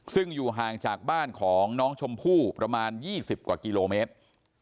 ซึ่งอยู่ห่างจากบ้านของน้องชมพู่ประมาณ๒๐กว่ากิโลเมตร